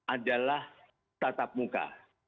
adalah tatap muka